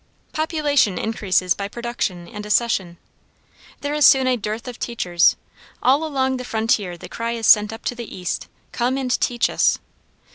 Population increases by production and accession. There is soon a dearth of teachers; all along the frontier the cry is sent up to the east, come and teach us!